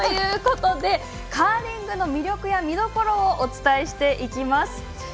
カーリングの魅力や見どころをお伝えしていきます。